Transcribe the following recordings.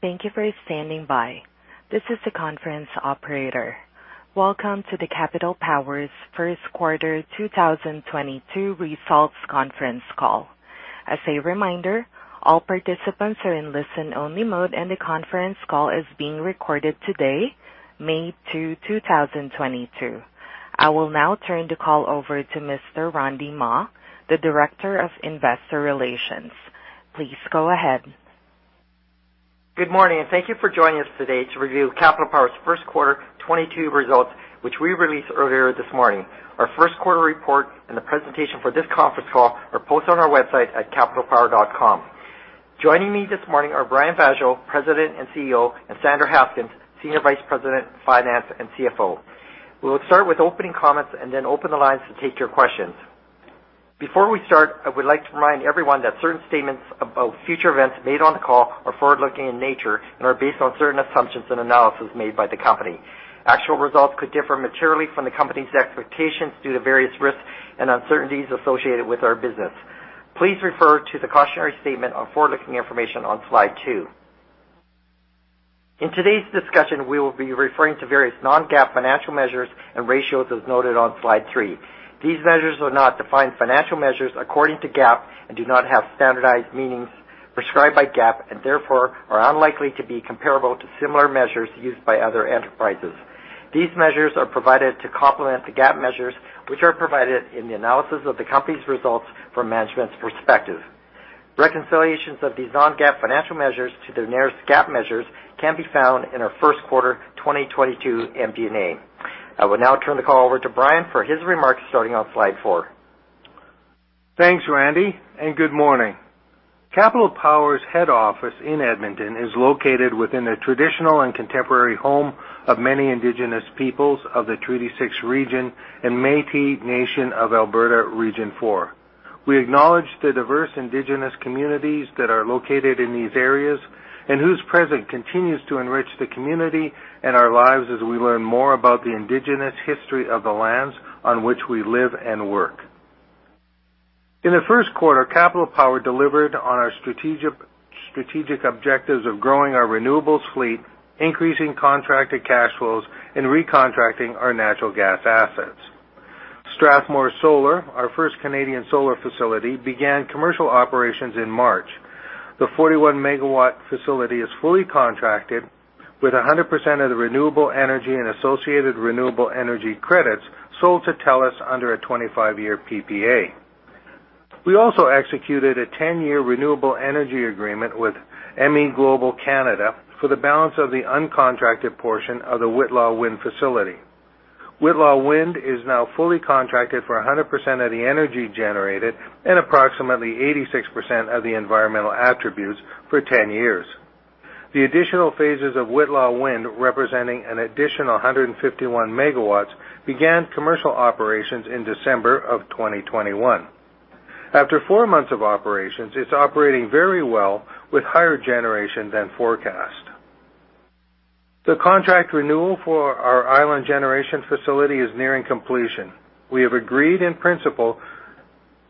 Thank you for standing by. This is the conference operator. Welcome to Capital Power's first quarter 2022 results conference call. As a reminder, all participants are in listen-only mode, and the conference call is being recorded today, May 2, 2022. I will now turn the call over to Mr. Randy Mah, the Director of Investor Relations. Please go ahead. Good morning, and thank you for joining us today to review Capital Power's first quarter 2022 results, which we released earlier this morning. Our first quarter report and the presentation for this conference call are posted on our website at capitalpower.com. Joining me this morning are Brian Vaasjo, President and CEO, and Sandra Haskins, Senior Vice President, Finance and CFO. We will start with opening comments and then open the lines to take your questions. Before we start, I would like to remind everyone that certain statements about future events made on the call are forward-looking in nature and are based on certain assumptions and analysis made by the company. Actual results could differ materially from the company's expectations due to various risks and uncertainties associated with our business. Please refer to the cautionary statement on forward-looking information on slide two. In today's discussion, we will be referring to various non-GAAP financial measures and ratios, as noted on slide three. These measures are not defined financial measures according to GAAP and do not have standardized meanings prescribed by GAAP and therefore are unlikely to be comparable to similar measures used by other enterprises. These measures are provided to complement the GAAP measures, which are provided in the analysis of the company's results from management's perspective. Reconciliations of these non-GAAP financial measures to their nearest GAAP measures can be found in our first-quarter 2022 MD&A. I will now turn the call over to Brian for his remarks, starting on slide four. Thanks, Randy, and good morning. Capital Power's head office in Edmonton is located within the traditional and contemporary home of many Indigenous peoples of the Treaty 6 region and Métis Nation of Alberta Region 4. We acknowledge the diverse Indigenous communities that are located in these areas and whose presence continues to enrich the community and our lives as we learn more about the Indigenous history of the lands on which we live and work. In the first quarter, Capital Power delivered on our strategic objectives of growing our renewables fleet, increasing contracted cash flows, and recontracting our natural gas assets. Strathmore Solar, our first Canadian solar facility, began commercial operations in March. The 41 MW facility is fully contracted with 100% of the renewable energy and associated renewable energy credits sold to TELUS under a 25-year PPA. We also executed a 10-year renewable energy agreement with MEGlobal Canada ULC for the balance of the uncontracted portion of the Whitla Wind facility. Whitla Wind is now fully contracted for 100% of the energy generated and approximately 86% of the environmental attributes for 10 years. The additional phases of Whitla Wind, representing an additional 151 MW, began commercial operations in December 2021. After four months of operations, it's operating very well with higher generation than forecast. The contract renewal for our Island Generation facility is nearing completion. We have agreed in principle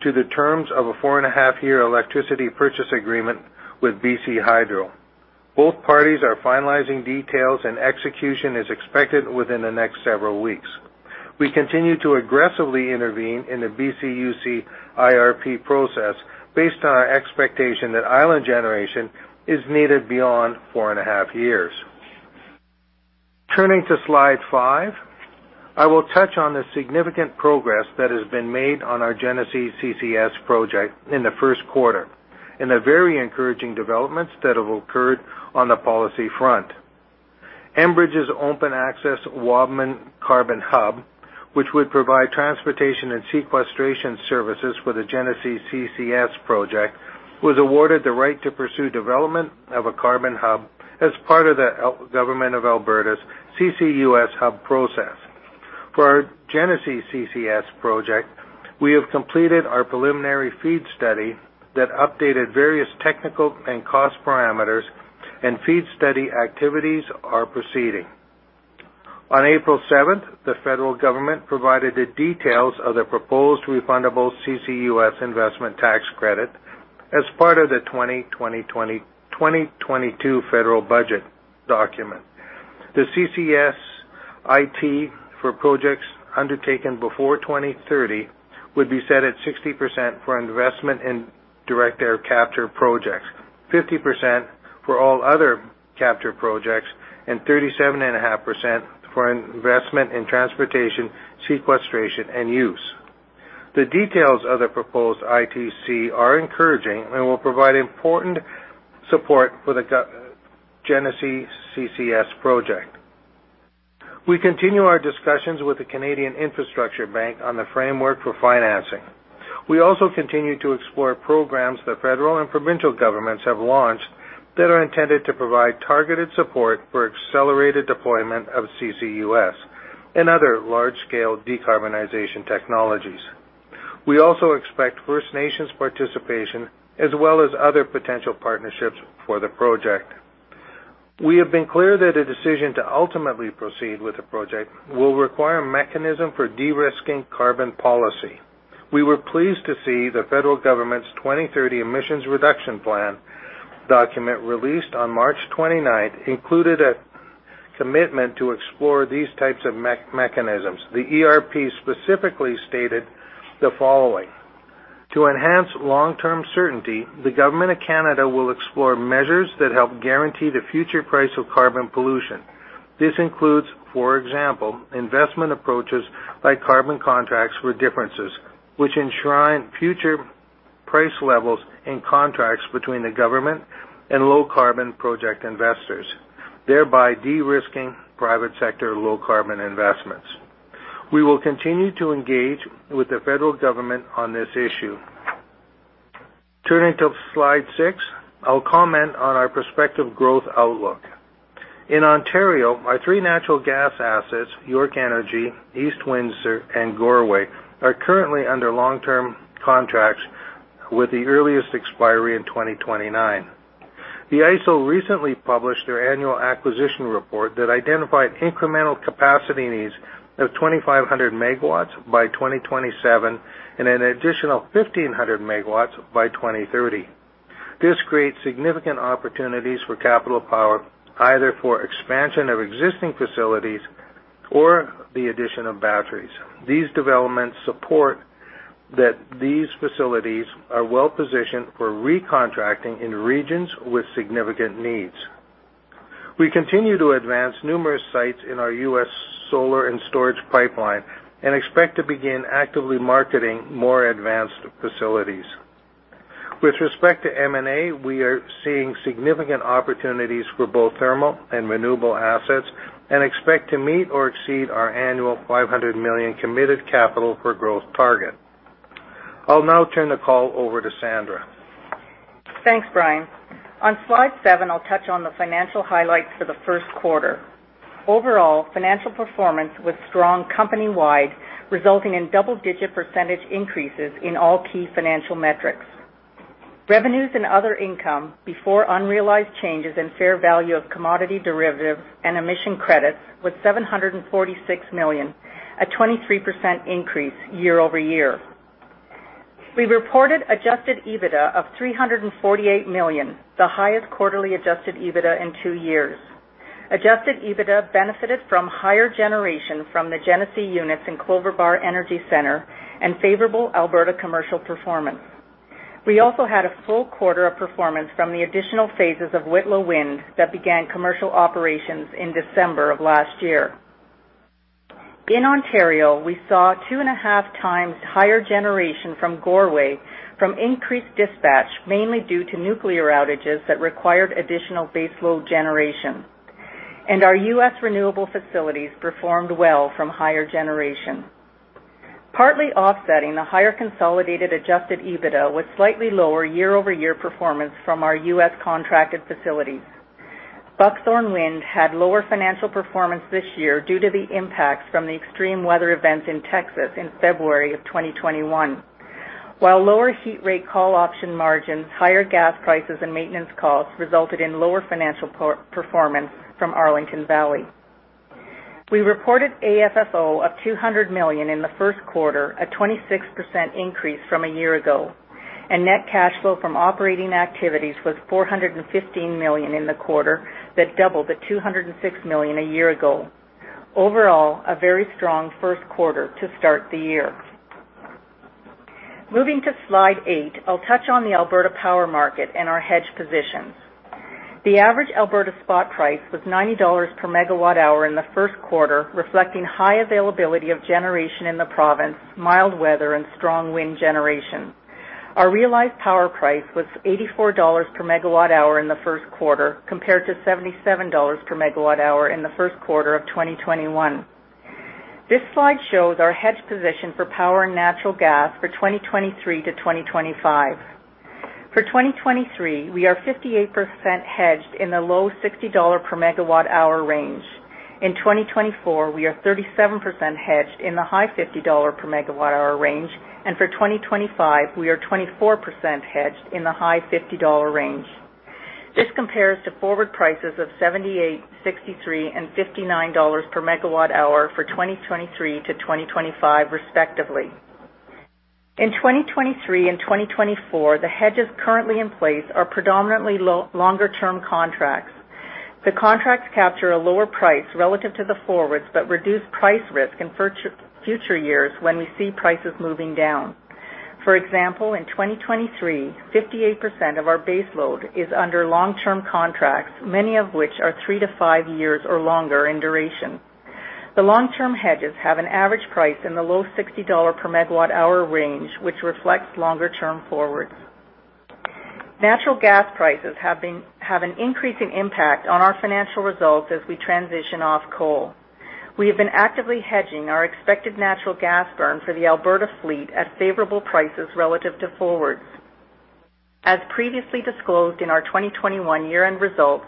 to the terms of a 4.5-year electricity purchase agreement with BC Hydro. Both parties are finalizing details, and execution is expected within the next several weeks. We continue to aggressively intervene in the BCUC IRP process based on our expectation that Island Generation is needed beyond 4.5 years. Turning to slide five, I will touch on the significant progress that has been made on our Genesee CCS project in the first quarter and the very encouraging developments that have occurred on the policy front. Enbridge's open access Wabamun Carbon Hub, which would provide transportation and sequestration services for the Genesee CCS project, was awarded the right to pursue development of a carbon hub as part of the Government of Alberta's CCUS hub process. For our Genesee CCS project, we have completed our preliminary FEED study that updated various technical and cost parameters, and FEED study activities are proceeding. On April 7, the federal government provided the details of the proposed refundable CCUS investment tax credit as part of the 2022 federal budget document. The CCS ITC for projects undertaken before 2030 would be set at 60% for investment in direct air capture projects, 50% for all other capture projects, and 37.5% for investment in transportation, sequestration, and use. The details of the proposed ITC are encouraging and will provide important support for the Genesee CCS project. We continue our discussions with the Canada Infrastructure Bank on the framework for financing. We also continue to explore programs that federal and provincial governments have launched that are intended to provide targeted support for accelerated deployment of CCUS and other large-scale decarbonization technologies. We also expect First Nations participation as well as other potential partnerships for the project. We have been clear that a decision to ultimately proceed with the project will require a mechanism for de-risking carbon policy. We were pleased to see the federal government's 2030 emissions reduction plan document released on March 29th included a commitment to explore these types of mechanisms. The ERP specifically stated the following, "To enhance long-term certainty, the government of Canada will explore measures that help guarantee the future price of carbon pollution. This includes, for example, investment approaches like carbon contracts for differences, which enshrine future price levels in contracts between the government and low carbon project investors, thereby de-risking private sector low carbon investments." We will continue to engage with the federal government on this issue. Turning to slide six, I'll comment on our prospective growth outlook. In Ontario, our three natural gas assets, York Energy, East Windsor and Goreway, are currently under long-term contracts with the earliest expiry in 2029. The IESO recently published their annual acquisition report that identified incremental capacity needs of 2,500 MW by 2027 and an additional 1,500 MW by 2030. This creates significant opportunities for Capital Power, either for expansion of existing facilities or the addition of batteries. These developments support that these facilities are well-positioned for recontracting in regions with significant needs. We continue to advance numerous sites in our U.S. solar and storage pipeline and expect to begin actively marketing more advanced facilities. With respect to M&A, we are seeing significant opportunities for both thermal and renewable assets and expect to meet or exceed our annual 500 million committed capital for growth target. I'll now turn the call over to Sandra. Thanks, Brian. On slide seven, I'll touch on the financial highlights for the first quarter. Overall, financial performance was strong company-wide, resulting in double-digit % increases in all key financial metrics. Revenues and other income before unrealized changes in fair value of commodity derivatives and emission credits was 746 million, a 23% increase year-over-year. We reported adjusted EBITDA of 348 million, the highest quarterly adjusted EBITDA in two years. Adjusted EBITDA benefited from higher generation from the Genesee units in Clover Bar Energy Centre and favorable Alberta commercial performance. We also had a full quarter of performance from the additional phases of Whitla Wind that began commercial operations in December of last year. In Ontario, we saw two and a half times higher generation from Goreway from increased dispatch, mainly due to nuclear outages that required additional baseload generation. Our U.S. renewable facilities performed well from higher generation. Partly offsetting the higher consolidated adjusted EBITDA was slightly lower year-over-year performance from our U.S. contracted facilities. Buckthorn Wind had lower financial performance this year due to the impacts from the extreme weather events in Texas in February of 2021. While lower heat rate call option margins, higher gas prices and maintenance costs resulted in lower financial performance from Arlington Valley. We reported AFFO of 200 million in the first quarter, a 26% increase from a year ago, and net cash flow from operating activities was 415 million in the quarter that doubled from 206 million a year ago. Overall, a very strong first quarter to start the year. Moving to slide eight, I'll touch on the Alberta power market and our hedge positions. The average Alberta spot price was 90 dollars per MWh in the first quarter, reflecting high availability of generation in the province, mild weather and strong wind generation. Our realized power price was 84 dollars per MWh in the first quarter, compared to 77 dollars per MWh in the first quarter of 2021. This slide shows our hedge position for power and natural gas for 2023-2025. For 2023, we are 58% hedged in the low CAD 60 per MWh range. In 2024, we are 37% hedged in the high CAD 50 per MWh range. For 2025, we are 24% hedged in the high CAD 50 per MWh range. This compares to forward prices of 78 per MWh, 63 per MWh, and CAD 59 per MWh for 2023-2025, respectively. In 2023 and 2024, the hedges currently in place are predominantly longer term contracts. The contracts capture a lower price relative to the forwards that reduce price risk in future years when we see prices moving down. For example, in 2023, 58% of our base load is under long-term contracts, many of which are three to five years or longer in duration. The long-term hedges have an average price in the low 60 dollar per MWh range, which reflects longer term forwards. Natural gas prices have an increasing impact on our financial results as we transition off coal. We have been actively hedging our expected natural gas burn for the Alberta fleet at favorable prices relative to forwards. As previously disclosed in our 2021 year-end results,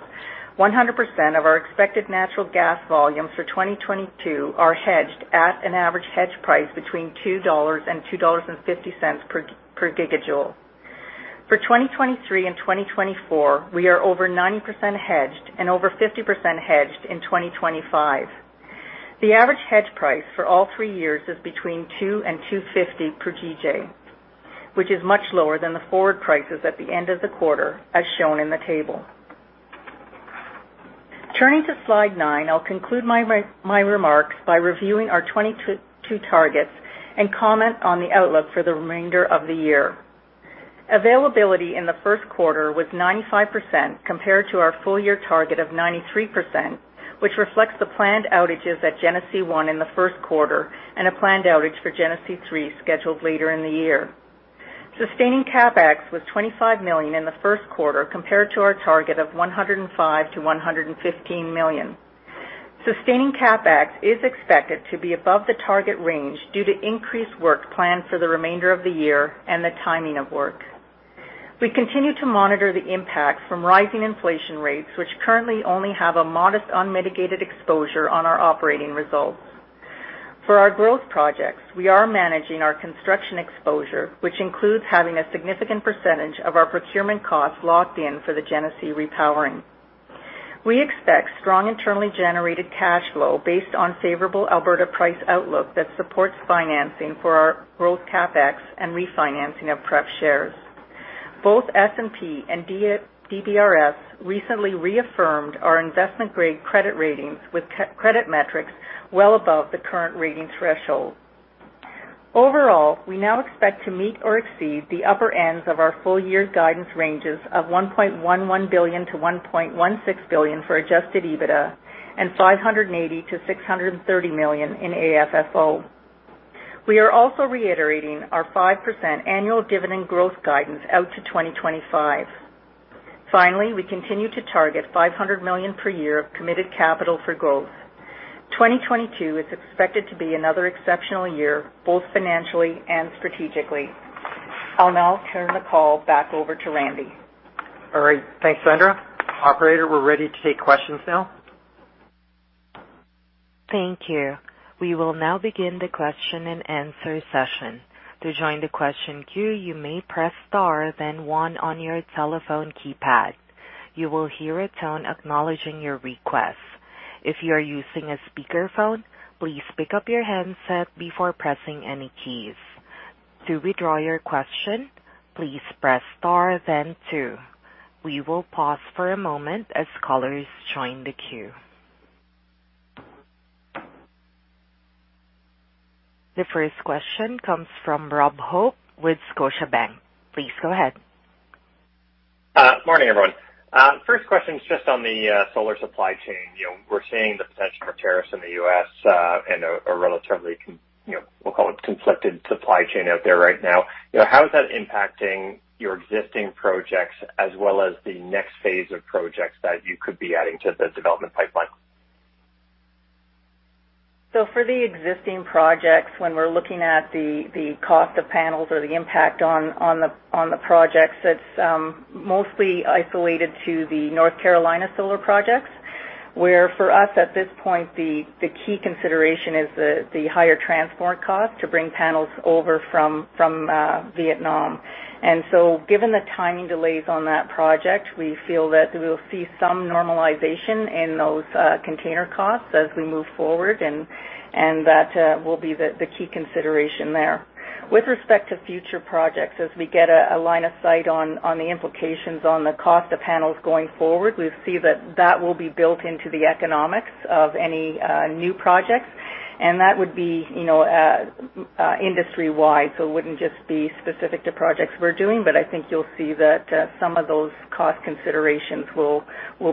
100% of our expected natural gas volumes for 2022 are hedged at an average hedge price between 2 dollars and 2.50 dollars per gigajoule. For 2023 and 2024, we are over 90% hedged and over 50% hedged in 2025. The average hedge price for all three years is between 2 and 2.50 per GJ, which is much lower than the forward prices at the end of the quarter, as shown in the table. Turning to slide nine. I'll conclude my remarks by reviewing our 2022 targets and comment on the outlook for the remainder of the year. Availability in the first quarter was 95% compared to our full year target of 93%, which reflects the planned outages at Genesee 1 in the first quarter and a planned outage for Genesee 3 scheduled later in the year. Sustaining CapEx was 25 million in the first quarter compared to our target of 105 million-115 million. Sustaining CapEx is expected to be above the target range due to increased work planned for the remainder of the year and the timing of work. We continue to monitor the impact from rising inflation rates, which currently only have a modest unmitigated exposure on our operating results. For our growth projects, we are managing our construction exposure, which includes having a significant percentage of our procurement costs locked in for the Genesee Repowering. We expect strong internally generated cash flow based on favorable Alberta price outlook that supports financing for our growth CapEx and refinancing of pref shares. Both S&P and DBRS recently reaffirmed our investment-grade credit ratings with credit metrics well above the current rating threshold. Overall, we now expect to meet or exceed the upper ends of our full-year guidance ranges of 1.11 billion-1.16 billion for adjusted EBITDA and 580 million-630 million in AFFO. We are also reiterating our 5% annual dividend growth guidance out to 2025. Finally, we continue to target 500 million per year of committed capital for growth. 2022 is expected to be another exceptional year, both financially and strategically. I'll now turn the call back over to Randy. All right. Thanks, Sandra. Operator, we're ready to take questions now. Thank you. We will now begin the question-and-answer session. To join the question queue, you may press star then one on your telephone keypad. You will hear a tone acknowledging your request. If you are using a speakerphone, please pick up your handset before pressing any keys. To withdraw your question, please press star then two. We will pause for a moment as callers join the queue. The first question comes from Rob Hope with Scotiabank. Please go ahead. Morning, everyone. First question is just on the solar supply chain. You know, we're seeing the potential for tariffs in the U.S., and a relatively, you know, we'll call it, conflicted supply chain out there right now. You know, how is that impacting your existing projects as well as the next phase of projects that you could be adding to the development pipeline? For the existing projects, when we're looking at the cost of panels or the impact on the projects, that's mostly isolated to the North Carolina solar projects. Where for us, at this point, the key consideration is the higher transport cost to bring panels over from Vietnam. Given the timing delays on that project, we feel that we will see some normalization in those container costs as we move forward, and that will be the key consideration there. With respect to future projects, as we get a line of sight on the implications on the cost of panels going forward, we see that that will be built into the economics of any new projects, and that would be, you know, industry-wide. It wouldn't just be specific to projects we're doing, but I think you'll see that some of those cost considerations will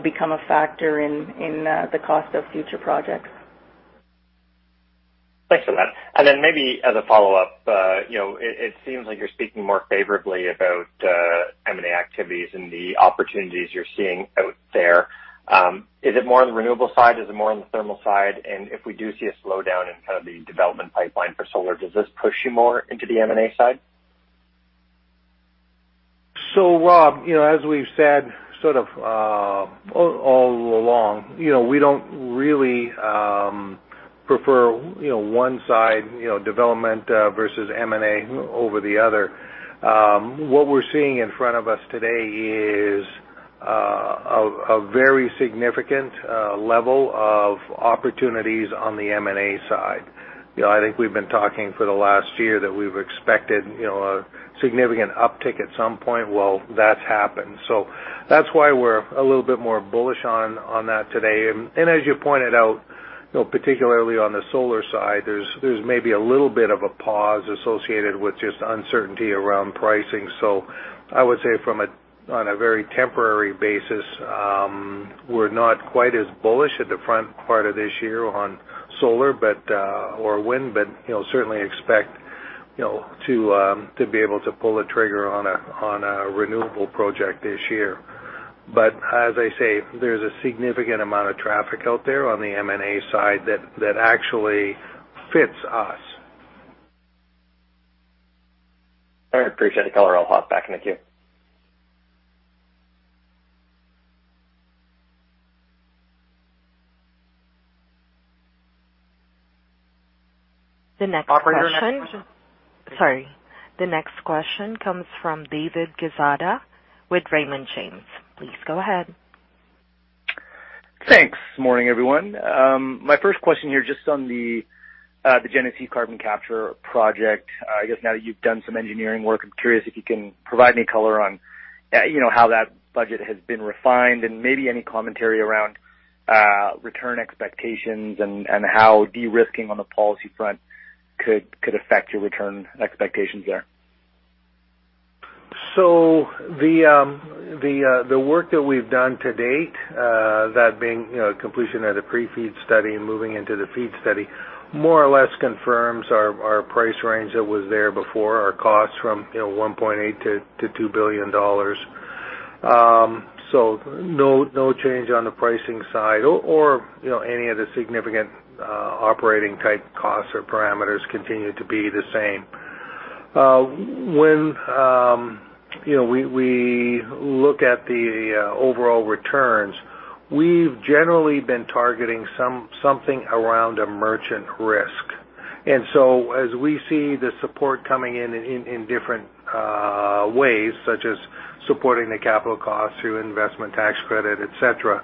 become a factor in the cost of future projects. Thanks for that. Then maybe as a follow-up, you know, it seems like you're speaking more favorably about M&A activities and the opportunities you're seeing out there. Is it more on the renewable side? Is it more on the thermal side? If we do see a slowdown in kind of the development pipeline for solar, does this push you more into the M&A side? Rob, you know, as we've said, sort of, all along, you know, we don't really prefer, you know, one side, you know, development versus M&A over the other. What we're seeing in front of us today is a very significant level of opportunities on the M&A side. You know, I think we've been talking for the last year that we've expected, you know, a significant uptick at some point. Well, that's happened. That's why we're a little bit more bullish on that today. As you pointed out, you know, particularly on the solar side, there's maybe a little bit of a pause associated with just uncertainty around pricing. I would say on a very temporary basis, we're not quite as bullish at the front part of this year on solar or wind. You know, certainly expect, you know, to be able to pull the trigger on a renewable project this year. As I say, there's a significant amount of traffic out there on the M&A side that actually fits us. All right. Appreciate the color. I'll hop back in the queue. The next question. Operator, next question. Sorry. The next question comes from David Quezada with Raymond James. Please go ahead. Thanks. Morning, everyone. My first question here, just on the Genesee carbon capture project. I guess now that you've done some engineering work, I'm curious if you can provide any color on, you know, how that budget has been refined and maybe any commentary around return expectations and how de-risking on the policy front could affect your return expectations there. The work that we've done to date, that being, you know, completion of the pre-FEED study and moving into the FEED study, more or less confirms our price range that was there before, our costs from 1.8 billion-2 billion dollars. No change on the pricing side or, you know, any of the significant operating-type costs or parameters continue to be the same. When, you know, we look at the overall returns, we've generally been targeting something around a merchant risk. As we see the support coming in in different ways, such as supporting the capital cost through Investment Tax Credit, et cetera,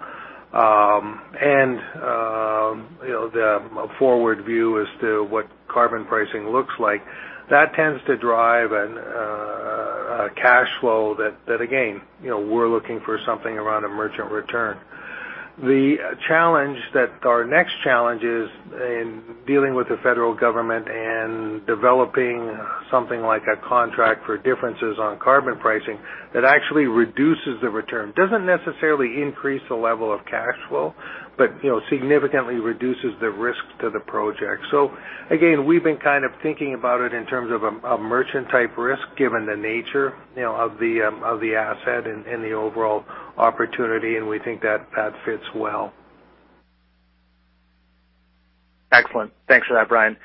you know, the forward view as to what carbon pricing looks like, that tends to drive a cash flow that again, you know, we're looking for something around a merchant return. Our next challenge is in dealing with the federal government and developing something like a Contract for Differences on carbon pricing that actually reduces the return. Doesn't necessarily increase the level of cash flow, but, you know, significantly reduces the risk to the project. Again, we've been kind of thinking about it in terms of a merchant-type risk given the nature, you know, of the asset and the overall opportunity, and we think that fits well. Excellent. Thanks for that, Brian.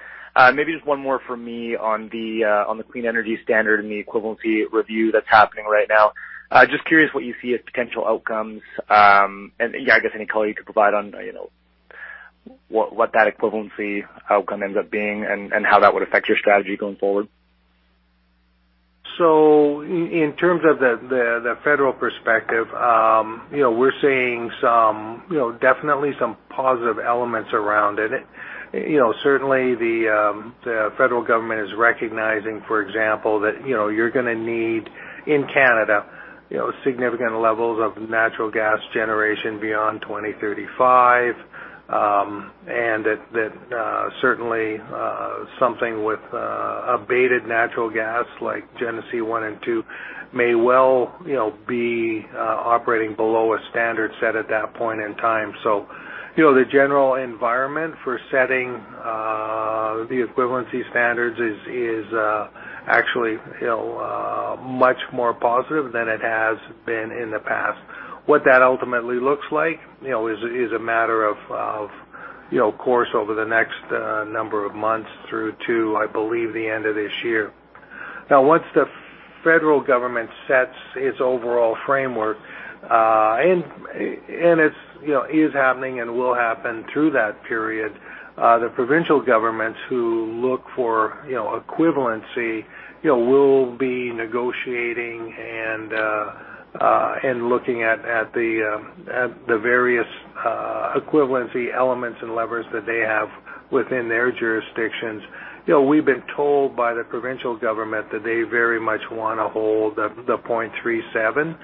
Maybe just one more from me on the Clean Energy Standard and the equivalency review that's happening right now. Just curious what you see as potential outcomes. Yeah, I guess any color you could provide on, you know, what that equivalency outcome ends up being and how that would affect your strategy going forward. In terms of the federal perspective, you know, we're seeing some, you know, definitely some positive elements around it. You know, certainly the federal government is recognizing, for example, that, you know, you're gonna need, in Canada, you know, significant levels of natural gas generation beyond 2035, and that that certainly something with abated natural gas like Genesee 1 and 2 may well, you know, be operating below a standard set at that point in time. You know, the general environment for setting the equivalency standards is actually, you know, much more positive than it has been in the past. What that ultimately looks like, you know, is a matter of, you know, course over the next number of months through to, I believe, the end of this year. Now, once the federal government sets its overall framework, and it's happening and will happen through that period, the provincial governments who look for, you know, equivalency, you know, will be negotiating and looking at the various equivalency elements and levers that they have within their jurisdictions. You know, we've been told by the provincial government that they very much wanna hold the 0.37,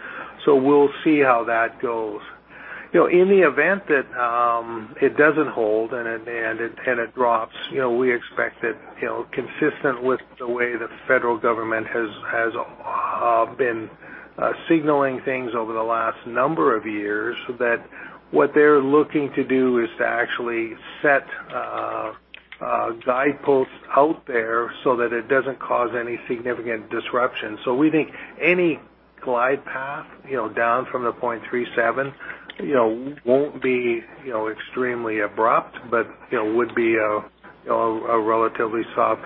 so we'll see how that goes. You know, in the event that it doesn't hold and it drops, you know, we expect that, you know, consistent with the way the federal government has been signaling things over the last number of years, that what they're looking to do is to actually set guideposts out there so that it doesn't cause any significant disruption. So we think any glide path, you know, down from the 0.37, you know, won't be, you know, extremely abrupt, but, you know, would be a, you know, a relatively soft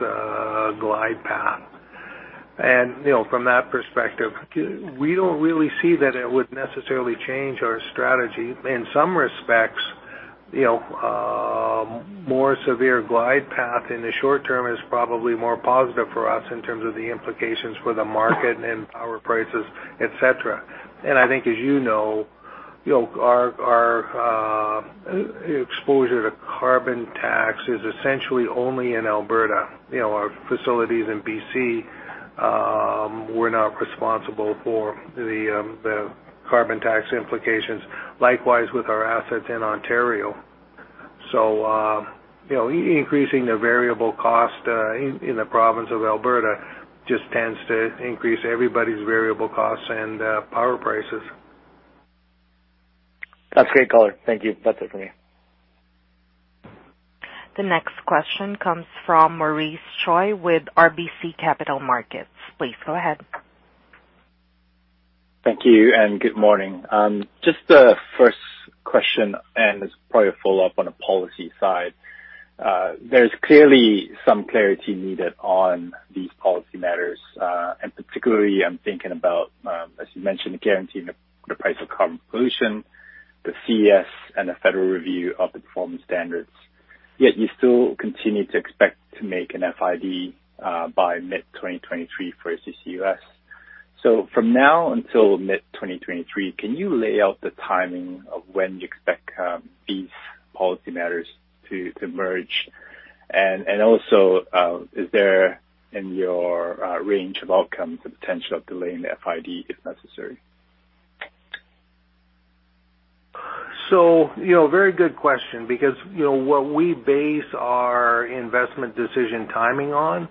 glide path. From that perspective, we don't really see that it would necessarily change our strategy. In some respects, you know, more severe glide path in the short term is probably more positive for us in terms of the implications for the market and power prices, et cetera. I think as you know, you know, our exposure to carbon tax is essentially only in Alberta. You know, our facilities in BC, we're not responsible for the carbon tax implications, likewise with our assets in Ontario. You know, increasing the variable cost in the province of Alberta just tends to increase everybody's variable costs and power prices. That's great color. Thank you. That's it for me. The next question comes from Maurice Choy with RBC Capital Markets. Please go ahead. Thank you, good morning. Just a first question, and it's probably a follow-up on the policy side. There's clearly some clarity needed on these policy matters, and particularly I'm thinking about, as you mentioned, guaranteeing the price of carbon pollution, the CES and the federal review of the performance standards, yet you still continue to expect to make an FID by mid-2023 for CCUS. From now until mid-2023, can you lay out the timing of when you expect these policy matters to merge? Also, is there in your range of outcomes the potential of delaying the FID if necessary? You know, very good question because, you know, what we base our investment decision timing on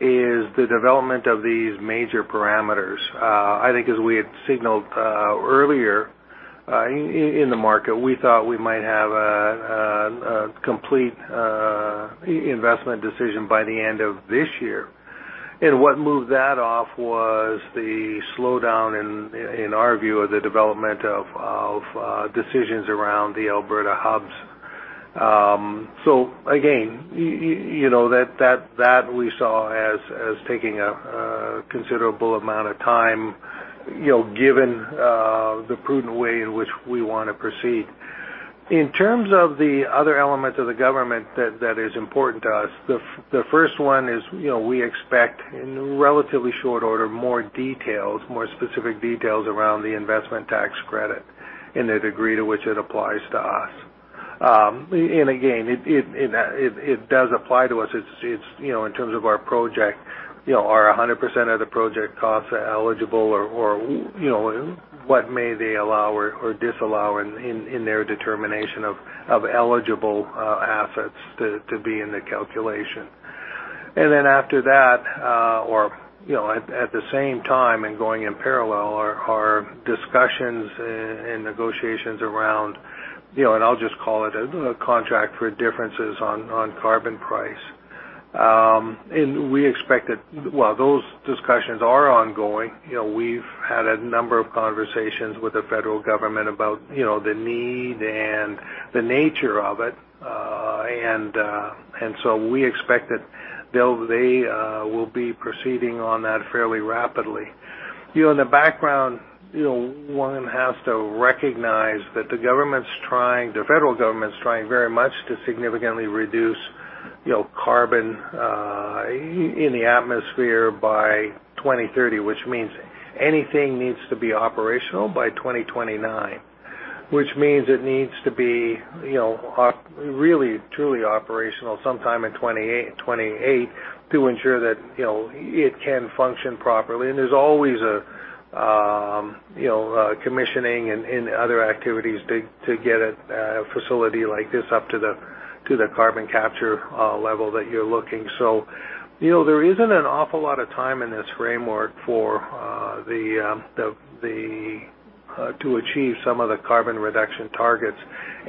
is the development of these major parameters. I think as we had signaled earlier in the market, we thought we might have a complete investment decision by the end of this year. What moved that off was the slowdown in our view of the development of decisions around the Alberta hubs. Again, you know, that we saw as taking a considerable amount of time, you know, given the prudent way in which we wanna proceed. In terms of the other elements of the government that is important to us, the first one is, you know, we expect in relatively short order, more details, more specific details around the Investment Tax Credit and the degree to which it applies to us. Again, it does apply to us. It's, you know, in terms of our project, you know, 100% of the project costs are eligible or, you know, what may they allow or disallow in their determination of eligible assets to be in the calculation. Then after that, or you know, at the same time, and going in parallel are discussions and negotiations around, you know, and I'll just call it a Contract for Differences on carbon price. Well, those discussions are ongoing. You know, we've had a number of conversations with the federal government about, you know, the need and the nature of it. We expect that they will be proceeding on that fairly rapidly. You know, in the background, you know, one has to recognize that the government's trying, the federal government's trying very much to significantly reduce, you know, carbon in the atmosphere by 2030, which means anything needs to be operational by 2029, which means it needs to be, you know, really, truly operational sometime in 2028 to ensure that, you know, it can function properly. There's always you know, a commissioning and other activities to get a facility like this up to the carbon capture level that you're looking. You know, there isn't an awful lot of time in this framework for to achieve some of the carbon reduction targets,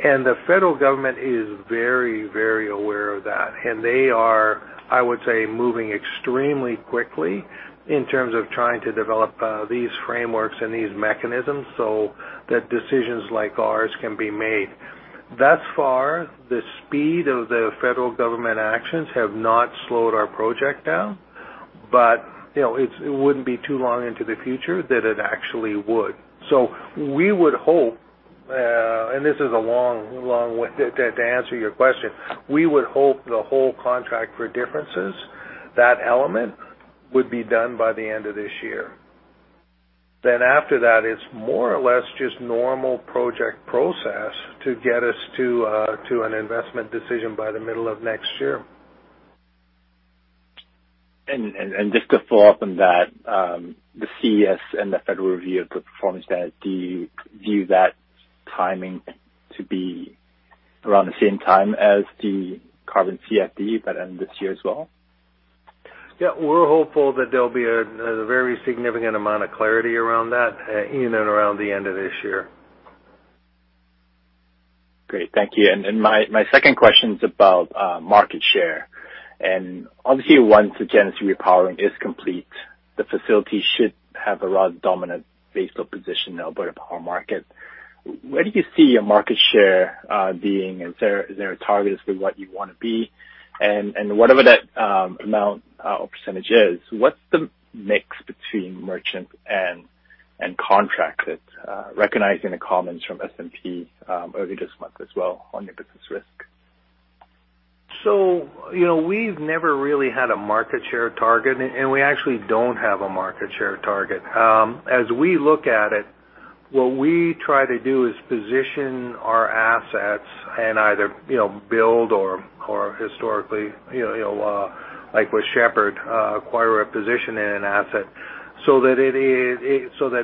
and the federal government is very, very aware of that. They are, I would say, moving extremely quickly in terms of trying to develop these frameworks and these mechanisms so that decisions like ours can be made. Thus far, the speed of the federal government actions have not slowed our project down, but you know, it wouldn't be too long into the future that it actually would. We would hope, and this is a long, long way to answer your question, we would hope the whole Contract for Differences, that element would be done by the end of this year. After that, it's more or less just normal project process to get us to an investment decision by the middle of next year. Just to follow up on that, the CES and the federal review of the performance there, do you view that timing to be around the same time as the carbon FID by the end of this year as well? Yeah. We're hopeful that there'll be a very significant amount of clarity around that in and around the end of this year. Great. Thank you. My second question's about market share. Obviously once the Genesee repowering is complete, the facility should have a rather dominant baseload position in the Alberta power market. Where do you see your market share being? Is there a target as to what you wanna be? Whatever that amount or percentage is, what's the mix between merchant and contracted, recognizing the comments from S&P earlier this month as well on your business risk? You know, we've never really had a market share target, and we actually don't have a market share target. As we look at it, what we try to do is position our assets and either you know build or historically you know like with Shepard acquire a position in an asset so that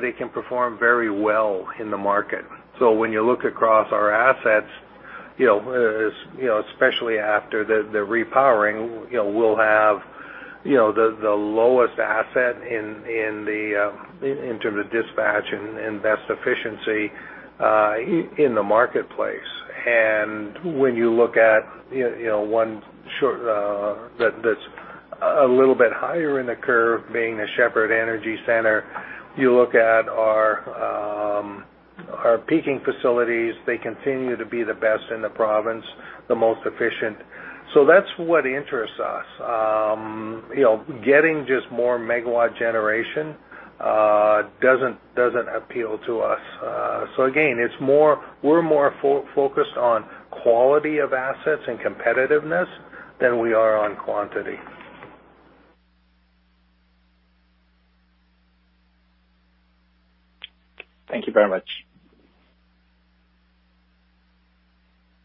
it can perform very well in the market. When you look across our assets, you know especially after the repowering you know we'll have you know the lowest asset in terms of dispatch and best efficiency in the marketplace. When you look at you know one short that that's a little bit higher in the curve, being the Shepard Energy Centre, you look at our peaking facilities. They continue to be the best in the province, the most efficient. That's what interests us, you know, getting just more megawatt generation. Doesn't appeal to us. Again, we're more focused on quality of assets and competitiveness than we are on quantity. Thank you very much.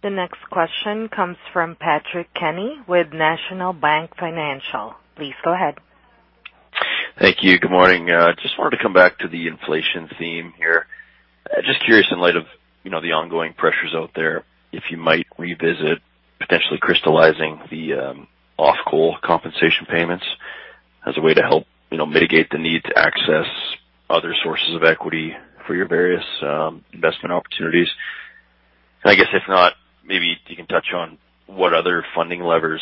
The next question comes from Patrick Kenny with National Bank Financial. Please go ahead. Thank you. Good morning. Just wanted to come back to the inflation theme here. Just curious, in light of, you know, the ongoing pressures out there, if you might revisit potentially crystallizing the off-coal compensation payments as a way to help, you know, mitigate the need to access other sources of equity for your various investment opportunities. I guess, if not, maybe you can touch on what other funding levers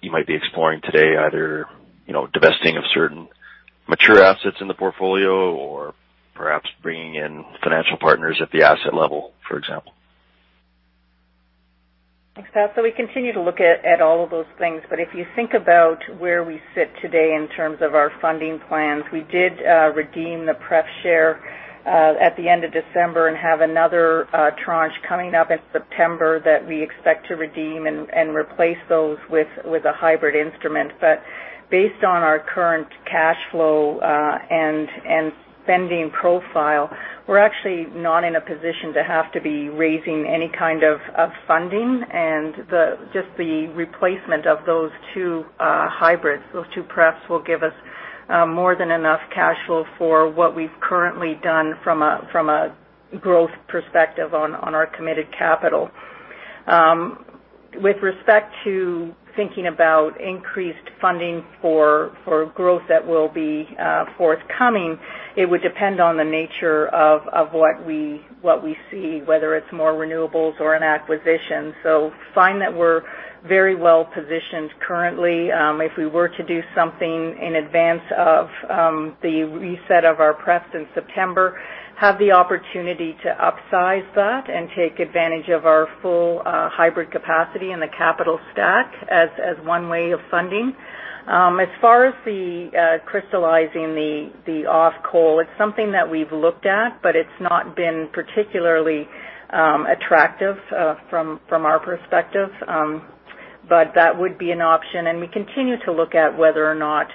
you might be exploring today, either, you know, divesting of certain mature assets in the portfolio or perhaps bringing in financial partners at the asset level, for example. We continue to look at all of those things, but if you think about where we sit today in terms of our funding plans, we did redeem the pref share at the end of December and have another tranche coming up in September that we expect to redeem and replace those with a hybrid instrument. But based on our current cash flow and spending profile, we're actually not in a position to have to be raising any kind of funding. Just the replacement of those two hybrids, those two prefs will give us more than enough cash flow for what we've currently done from a growth perspective on our committed capital. With respect to thinking about increased funding for growth that will be forthcoming, it would depend on the nature of what we see, whether it's more renewables or an acquisition. Find that we're very well positioned currently. If we were to do something in advance of the reset of our pref in September, have the opportunity to upsize that and take advantage of our full hybrid capacity in the capital stack as one way of funding. As far as the crystallizing the off-coal, it's something that we've looked at, but it's not been particularly attractive from our perspective, but that would be an option. We continue to look at whether or not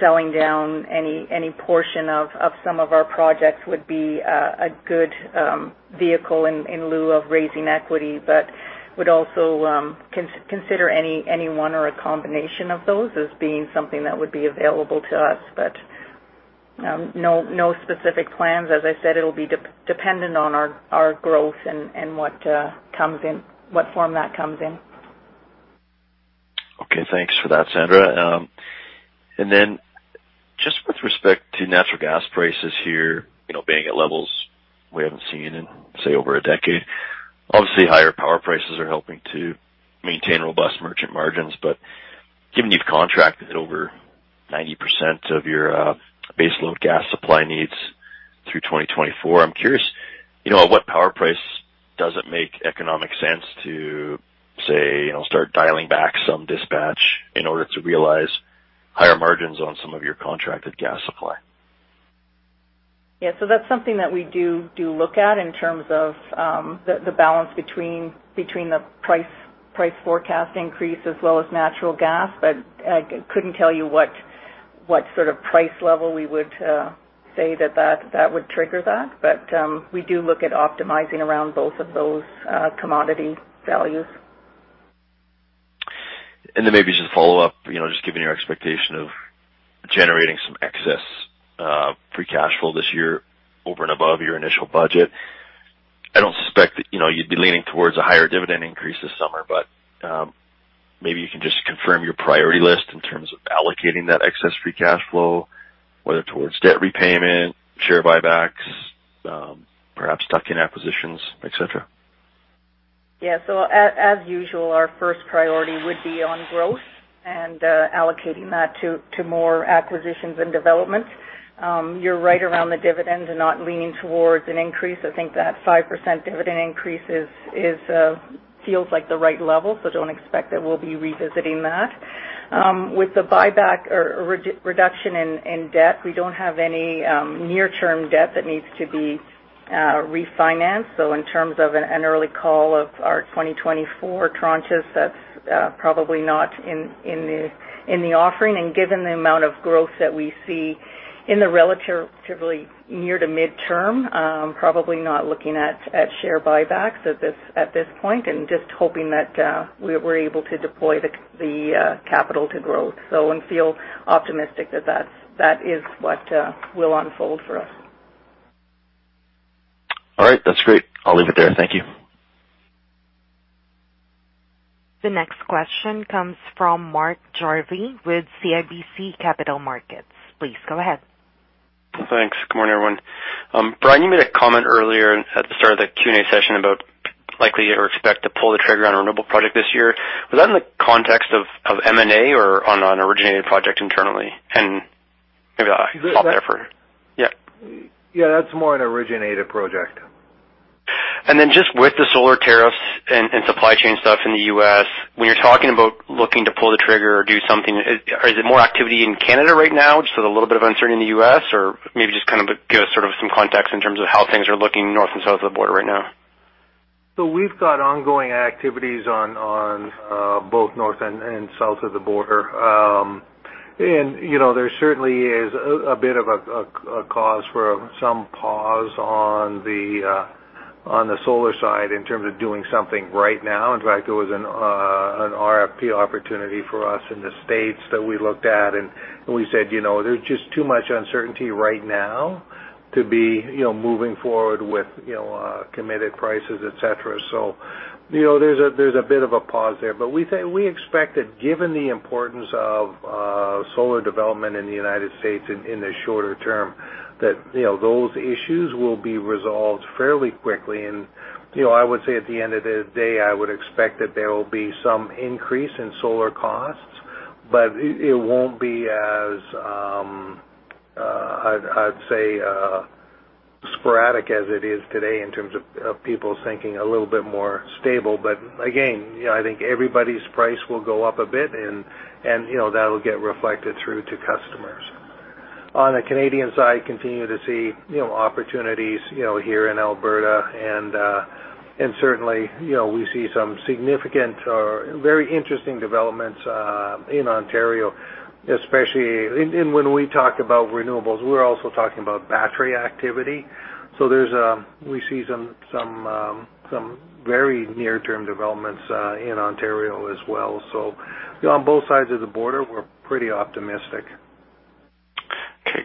selling down any portion of some of our projects would be a good vehicle in lieu of raising equity. We would also consider any one or a combination of those as being something that would be available to us. No specific plans. As I said, it'll be dependent on our growth and what comes in, what form that comes in. Okay. Thanks for that, Sandra. Just with respect to natural gas prices here, you know, being at levels we haven't seen in, say, over a decade, obviously higher power prices are helping to maintain robust merchant margins. Given you've contracted over 90% of your baseload gas supply needs through 2024, I'm curious, you know, at what power price does it make economic sense to say, you know, start dialing back some dispatch in order to realize higher margins on some of your contracted gas supply? Yeah. That's something that we do look at in terms of the balance between the price forecast increase as well as natural gas. Couldn't tell you what sort of price level we would say that would trigger that. We do look at optimizing around both of those commodity values. Then maybe just a follow-up. You know, just given your expectation of generating some excess free cash flow this year over and above your initial budget, I don't suspect that, you know, you'd be leaning towards a higher dividend increase this summer. Maybe you can just confirm your priority list in terms of allocating that excess free cash flow, whether towards debt repayment, share buybacks, perhaps tuck-in acquisitions, et cetera. Yeah. As usual, our first priority would be on growth and allocating that to more acquisitions and development. You're right around the dividend and not leaning towards an increase. I think that 5% dividend increase feels like the right level, so don't expect that we'll be revisiting that. With the buyback or reduction in debt, we don't have any near-term debt that needs to be refinanced. In terms of an early call of our 2024 tranches, that's probably not in the offering. Given the amount of growth that we see in the relatively near to midterm, probably not looking at share buybacks at this point and just hoping that we're able to deploy the capital to grow and feel optimistic. That is what will unfold for us. All right. That's great. I'll leave it there. Thank you. The next question comes from Mark Jarvi with CIBC Capital Markets. Please go ahead. Thanks. Good morning, everyone. Brian, you made a comment earlier at the start of the Q&A session about likely or expected to pull the trigger on a renewable project this year. Was that in the context of M&A or on an originated project internally? Maybe I'll stop there. Yeah. Yeah, that's more an originated project. Just with the solar tariffs and supply chain stuff in the U.S., when you're talking about looking to pull the trigger or do something, is it more activity in Canada right now, just with a little bit of uncertainty in the U.S.? Or maybe just kind of give us sort of some context in terms of how things are looking north and south of the border right now. We've got ongoing activities on both north and south of the border. You know, there certainly is a bit of a cause for some pause on the solar side in terms of doing something right now. In fact, there was an RFP opportunity for us in the States that we looked at, and we said, you know, there's just too much uncertainty right now to be, you know, moving forward with, you know, committed prices, et cetera. You know, there's a bit of a pause there. But we expect that given the importance of solar development in the United States in the shorter term, that, you know, those issues will be resolved fairly quickly. You know, I would say at the end of the day, I would expect that there will be some increase in solar costs, but it won't be as, I'd say, sporadic as it is today in terms of people thinking a little bit more stable. But again, you know, I think everybody's price will go up a bit and, you know, that'll get reflected through to customers. On the Canadian side, continue to see, you know, opportunities, you know, here in Alberta, and certainly, you know, we see some significant or very interesting developments in Ontario, especially. When we talk about renewables, we're also talking about battery activity. There's we see some some very near-term developments in Ontario as well. On both sides of the border, we're pretty optimistic. Okay.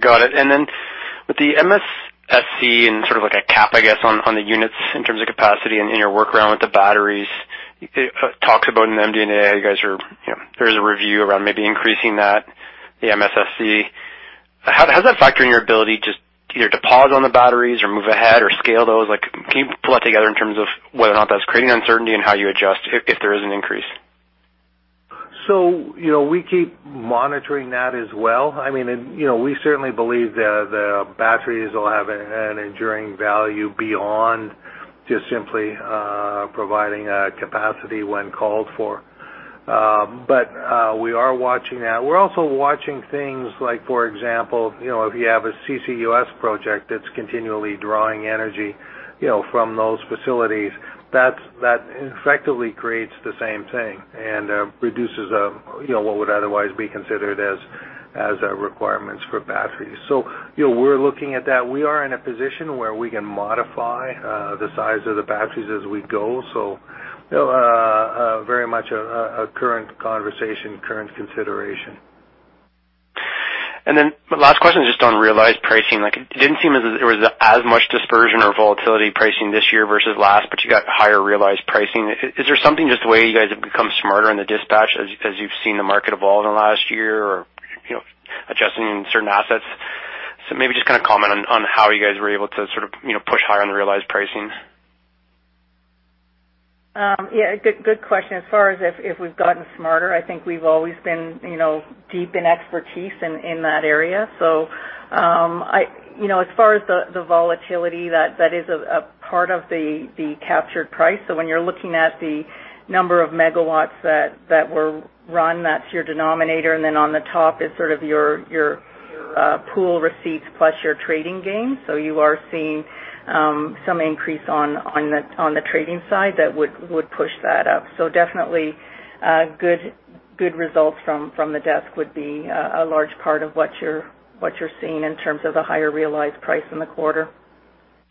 Got it. With the MSSC and sort of like a cap, I guess, on the units in terms of capacity and in your workaround with the batteries, it talks about an MD&A. You guys are, you know, there's a review around maybe increasing that, the MSSC. How does that factor in your ability to either to pause on the batteries or move ahead or scale those? Like, can you pull that together in terms of whether or not that's creating uncertainty and how you adjust if there is an increase? You know, we keep monitoring that as well. You know, we certainly believe the batteries will have an enduring value beyond just simply providing capacity when called for. We are watching that. We're also watching things like, for example, you know, if you have a CCUS project that's continually drawing energy, you know, from those facilities, that effectively creates the same thing and reduces, you know, what would otherwise be considered as requirements for batteries. You know, we're looking at that. We are in a position where we can modify the size of the batteries as we go. You know, very much a current conversation, current consideration. Last question, just on realized pricing. Like, it didn't seem as if there was as much dispersion or volatility pricing this year versus last, but you got higher realized pricing. Is there something just the way you guys have become smarter in the dispatch as you've seen the market evolve in the last year or, you know, adjusting certain assets? Maybe just kind of comment on how you guys were able to sort of, you know, push higher on the realized pricing. Yeah, good question. As far as if we've gotten smarter, I think we've always been, you know, deep in expertise in that area. You know, as far as the volatility, that is a part of the captured price. When you're looking at the number of megawatts that were run, that's your denominator. And then on the top is sort of your pool receipts plus your trading gains. You are seeing some increase on the trading side that would push that up. Definitely, good results from the desk would be a large part of what you're seeing in terms of the higher realized price in the quarter.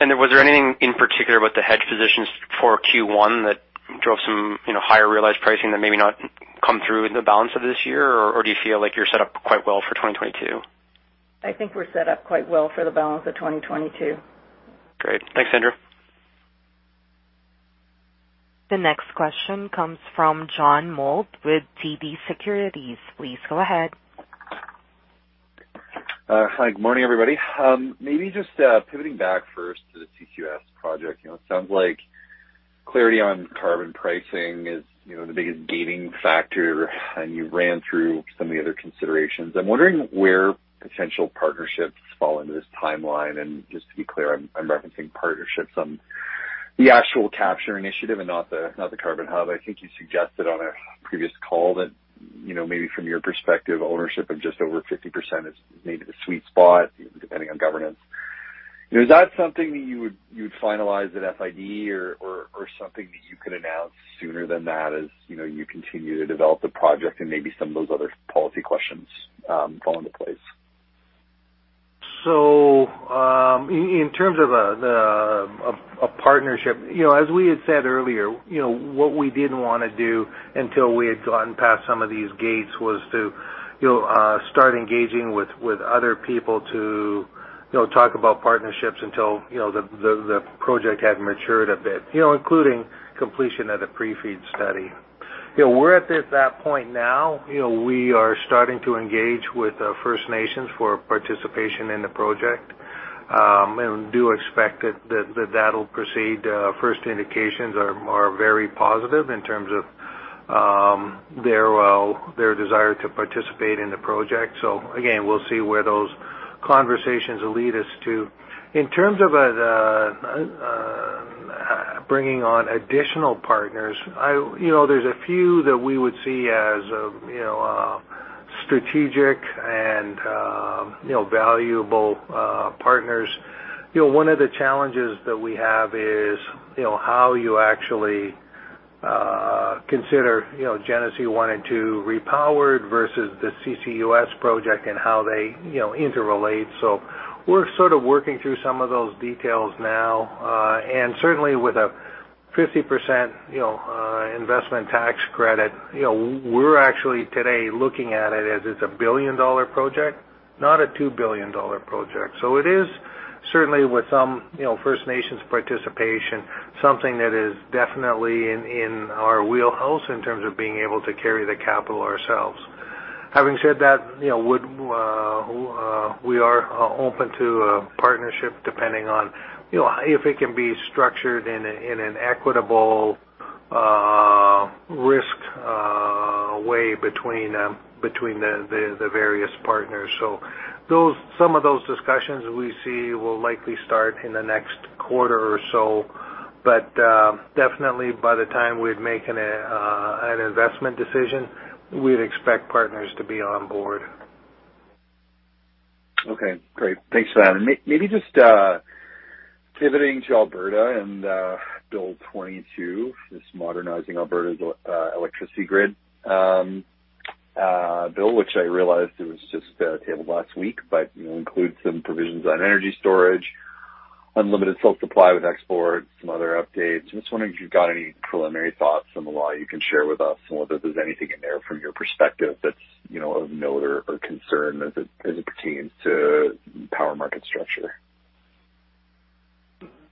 Was there anything in particular with the hedge positions for Q1 that drove some, you know, higher realized pricing that maybe not come through in the balance of this year? Or do you feel like you're set up quite well for 2022? I think we're set up quite well for the balance of 2022. Great. Thanks, Sandra. The next question comes from John Mould with TD Securities. Please go ahead. Hi. Good morning, everybody. Maybe just pivoting back first to the CCUS project. You know, it sounds like clarity on carbon pricing is, you know, the biggest gating factor, and you ran through some of the other considerations. I'm wondering where potential partnerships fall into this timeline. Just to be clear, I'm referencing partnerships on the actual capture initiative and not the carbon hub. I think you suggested on a previous call that, you know, maybe from your perspective, ownership of just over 50% is maybe the sweet spot, depending on governance. You know, is that something that you would finalize at FID or something that you could announce sooner than that as, you know, you continue to develop the project and maybe some of those other policy questions fall into place? In terms of the partnership, you know, as we had said earlier, you know, what we didn't wanna do until we had gotten past some of these gates was to, you know, start engaging with other people to, you know, talk about partnerships until, you know, the project had matured a bit. You know, including completion of the pre-FEED study. You know, we're at that point now. You know, we are starting to engage with First Nations for participation in the project, and do expect that that'll proceed. First indications are very positive in terms of their, well, their desire to participate in the project. Again, we'll see where those conversations will lead us to. In terms of the bringing on additional partners, you know, there's a few that we would see as, you know, strategic and, you know, valuable, partners. You know, one of the challenges that we have is, you know, how you actually consider, you know, Genesee 1 and 2 repowered versus the CCUS project and how they, you know, interrelate. We're sort of working through some of those details now, and certainly with a 50% investment tax credit. You know, we're actually today looking at it as it's a billion-dollar project, not a two billion dollar project. It is certainly with some, you know, First Nations participation, something that is definitely in our wheelhouse in terms of being able to carry the capital ourselves. Having said that, you know, we are open to a partnership depending on, you know, if it can be structured in a, in an equitable, risk, way between the various partners. Some of those discussions we see will likely start in the next quarter or so. Definitely by the time we'd make an investment decision, we'd expect partners to be on board. Okay, great. Thanks for that. Maybe just pivoting to Alberta and Bill 22, this modernizing Alberta's electricity grid bill, which I realized it was just tabled last week, but you know includes some provisions on energy storage, unlimited self-supply with export, some other updates. I'm just wondering if you've got any preliminary thoughts on the law you can share with us or if there's anything in there from your perspective that's you know of note or concern as it pertains to power market structure.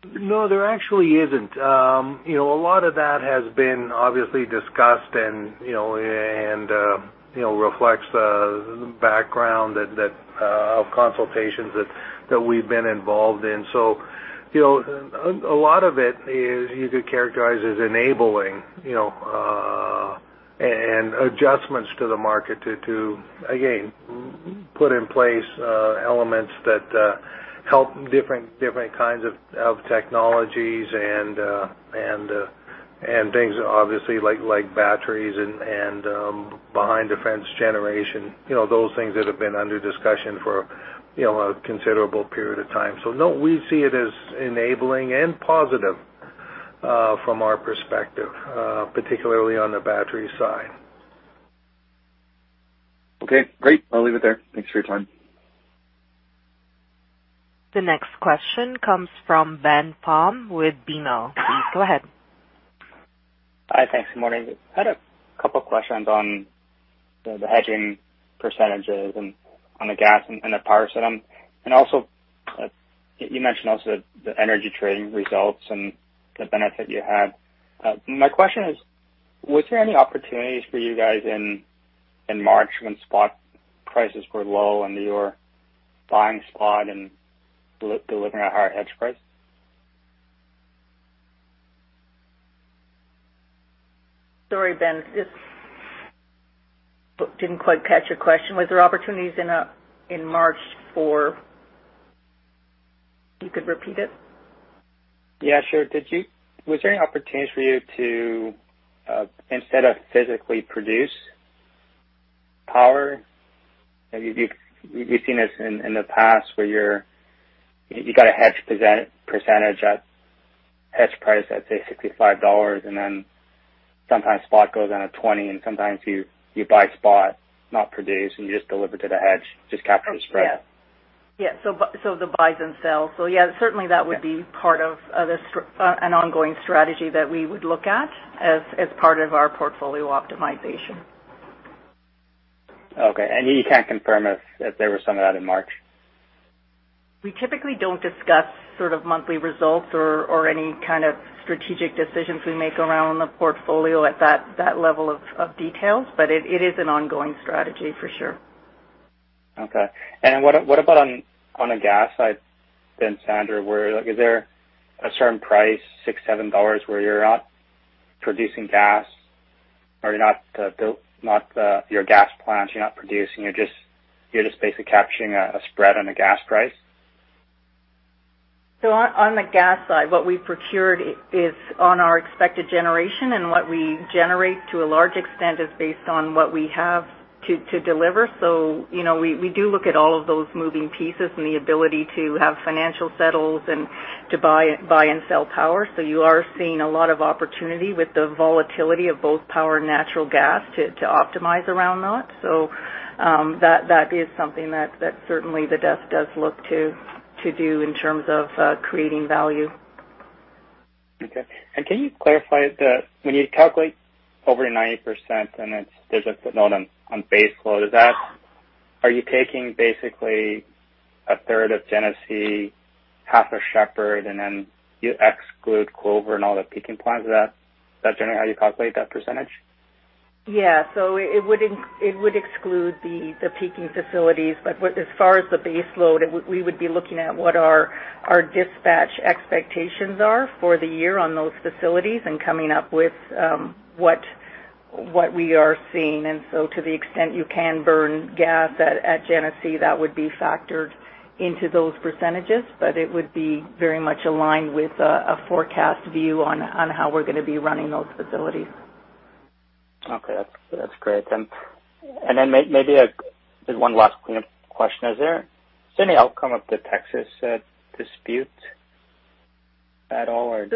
No, there actually isn't. You know, a lot of that has been obviously discussed and, you know, reflects the background of consultations that we've been involved in. You know, a lot of it is you could characterize as enabling, you know, and adjustments to the market to, again, put in place, elements that help different kinds of technologies and things obviously like batteries and behind the fence generation. You know, those things that have been under discussion for, you know, a considerable period of time. No, we see it as enabling and positive from our perspective, particularly on the battery side. Okay, great. I'll leave it there. Thanks for your time. The next question comes from Ben Pham with BMO. Please go ahead. Hi. Thanks. Good morning. I had a couple questions on the hedging percentages and on the gas and the power side. You mentioned also the energy trading results and the benefit you had. My question is, was there any opportunities for you guys in March when spot prices were low and you were buying spot and delivering at higher hedge price? Sorry, Ben. Just didn't quite catch your question. Was there opportunities in March? You could repeat it? Yeah, sure. Was there any opportunities for you to, instead of physically produce power? We've seen this in the past where you got a hedge price at say 65 dollars, and then sometimes spot goes down to 20, and sometimes you buy spot, not produce, and you just deliver to the hedge, just capture the spread. Yes. The buys and sells. Yes, certainly that would be part of an ongoing strategy that we would look at as part of our portfolio optimization. Okay. You can't confirm if there was some of that in March? We typically don't discuss sort of monthly results or any kind of strategic decisions we make around the portfolio at that level of details. It is an ongoing strategy for sure. Okay. What about on the gas side then, Sandra, where like is there a certain price, 6-7 dollars, where you're not producing gas or you're not building your gas plants, you're just basically capturing a spread on the gas price? On the gas side, what we procured is on our expected generation, and what we generate to a large extent is based on what we have to deliver. You know, we do look at all of those moving pieces and the ability to have financial settlements and to buy and sell power. You are seeing a lot of opportunity with the volatility of both power and natural gas to optimize around that. That is something that certainly the desk does look to do in terms of creating value. Okay. Can you clarify when you calculate over 90% and it's, there's a footnote on base load, is that, are you taking basically a third of Genesee, half of Shepard, and then you exclude Clover and all the peaking plants? Is that generally how you calculate that percentage? Yeah. It would exclude the peaking facilities. But as far as the base load, we would be looking at what our dispatch expectations are for the year on those facilities and coming up with what we are seeing. To the extent you can burn gas at Genesee, that would be factored into those percentages, but it would be very much aligned with a forecast view on how we're gonna be running those facilities. Okay. That's great. Maybe just one last cleanup question. Is there any outcome of the Texas dispute at all or?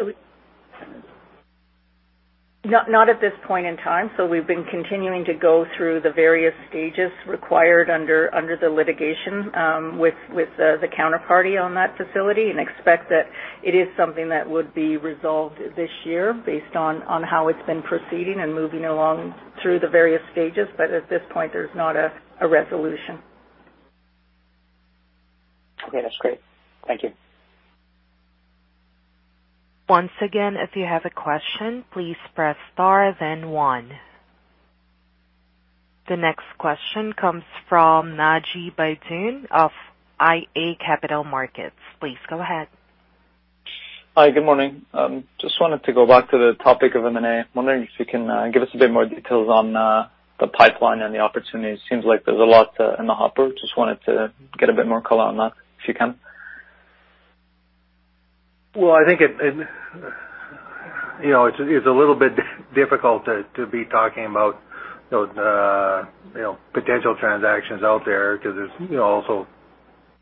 Not at this point in time. We've been continuing to go through the various stages required under the litigation with the counterparty on that facility and expect that it is something that would be resolved this year based on how it's been proceeding and moving along through the various stages. At this point, there's not a resolution. Okay. That's great. Thank you. Once again, if you have a question, please press star then one. The next question comes from Naji Baydoun of iA Capital Markets. Please go ahead. Hi, good morning. Just wanted to go back to the topic of M&A. Wondering if you can give us a bit more details on the pipeline and the opportunities. Seems like there's a lot in the hopper. Just wanted to get a bit more color on that if you can. I think it, you know, it's a little bit difficult to be talking about those, you know, potential transactions out there 'cause there's, you know, also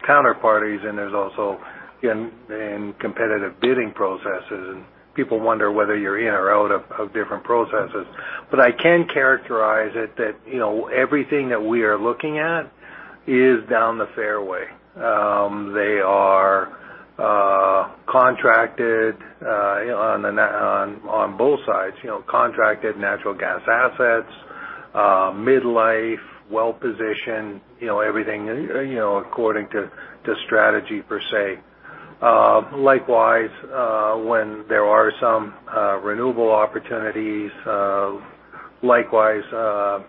counterparties, and there's also in competitive bidding processes, and people wonder whether you're in or out of different processes. I can characterize it that, you know, everything that we are looking at is down the fairway. They are contracted on both sides, you know, contracted natural gas assets, midlife, well-positioned, you know, everything, you know, according to strategy per se. Likewise, when there are some renewable opportunities, likewise,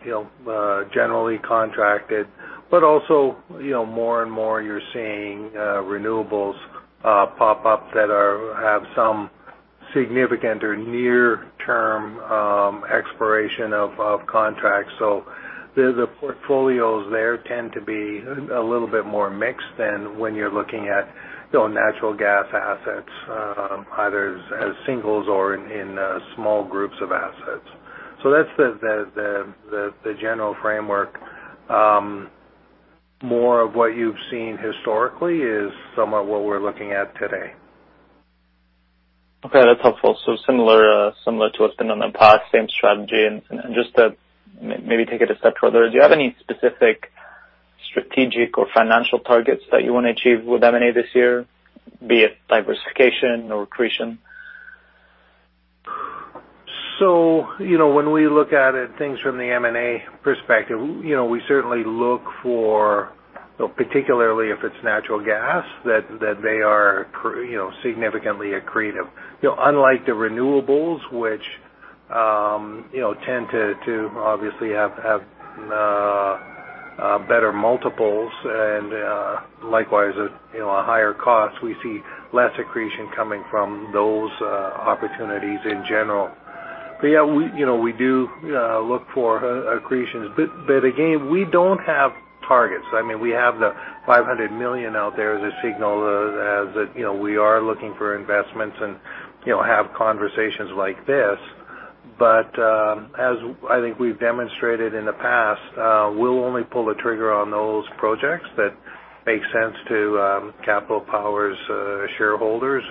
you know, generally contracted, but also, you know, more and more you're seeing renewables pop up that have some significant or near-term expiration of contracts. The portfolios there tend to be a little bit more mixed than when you're looking at, you know, natural gas assets, either as singles or in small groups of assets. That's the general framework. More of what you've seen historically is somewhat what we're looking at today. Okay. That's helpful. Similar to what's been in the past, same strategy. Just to maybe take it a step further, do you have any specific strategic or financial targets that you wanna achieve with M&A this year, be it diversification or accretion? You know, when we look at it, things from the M&A perspective, you know, we certainly look for, you know, particularly if it's natural gas, they are significantly accretive. You know, unlike the renewables, which, you know, tend to obviously have better multiples and likewise a higher cost. We see less accretion coming from those opportunities in general. Yeah, we, you know, we do look for accretions. But again, we don't have targets. I mean, we have the 500 million out there as a signal, as, you know, we are looking for investments and, you know, have conversations like this. But as I think we've demonstrated in the past, we'll only pull the trigger on those projects that make sense to Capital Power's shareholders.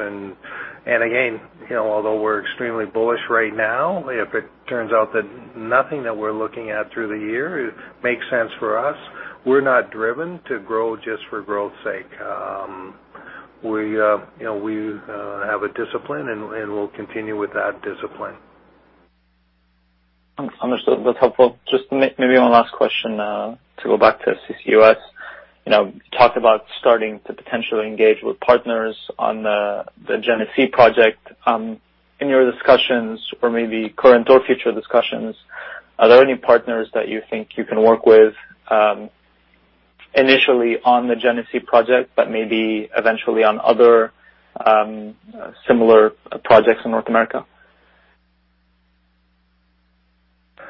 Again, you know, although we're extremely bullish right now, if it turns out that nothing that we're looking at through the year makes sense for us, we're not driven to grow just for growth's sake. You know, we have a discipline, and we'll continue with that discipline. Understood. That's helpful. Just maybe one last question to go back to CCUS. You know, talked about starting to potentially engage with partners on the Genesee project. In your discussions or maybe current or future discussions, are there any partners that you think you can work with initially on the Genesee project, but maybe eventually on other similar projects in North America?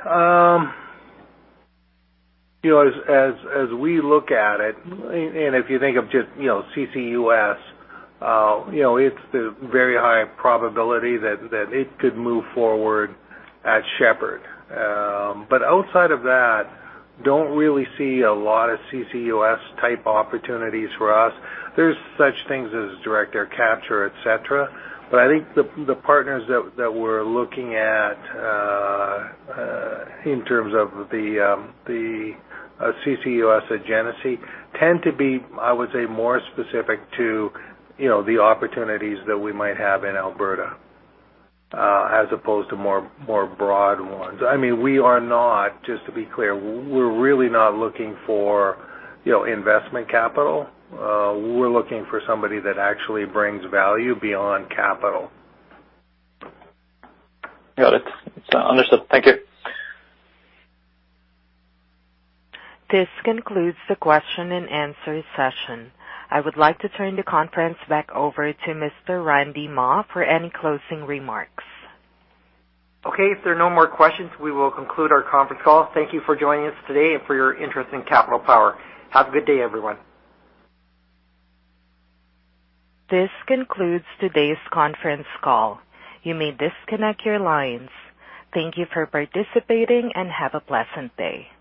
You know, as we look at it, and if you think of just, you know, CCUS, you know, it's the very high probability that it could move forward at Shepard. Outside of that, don't really see a lot of CCUS-type opportunities for us. There's such things as direct air capture, et cetera. I think the partners that we're looking at, in terms of the CCUS at Genesee tend to be, I would say, more specific to, you know, the opportunities that we might have in Alberta, as opposed to more broad ones. I mean, we are not, just to be clear, we're really not looking for, you know, investment capital. We're looking for somebody that actually brings value beyond capital. Got it. It's understood. Thank you. This concludes the question and answer session. I would like to turn the conference back over to Mr. Randy Mah for any closing remarks. Okay. If there are no more questions, we will conclude our conference call. Thank you for joining us today and for your interest in Capital Power. Have a good day, everyone. This concludes today's conference call. You may disconnect your lines. Thank you for participating, and have a pleasant day.